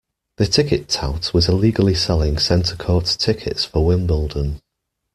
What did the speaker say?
The ticket tout was illegally selling Centre Court tickets for Wimbledon